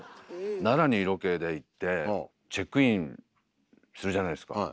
奈良にロケで行ってチェックインするじゃないですか。